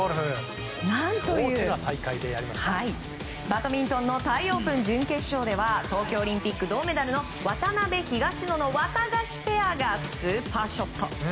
バドミントンのタイオープン準決勝では東京オリンピック銅メダルの渡辺、東野のワタガシペアがスーパーショット。